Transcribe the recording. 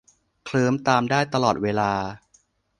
เคลิ้มตามได้ตลอดเวลา